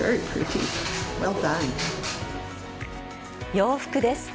洋服です。